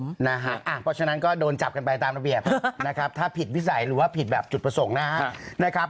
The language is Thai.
เพราะฉะนั้นก็โดนจับกันไปตามระเบียบนะครับถ้าผิดวิสัยหรือว่าผิดแบบจุดประสงค์นะครับ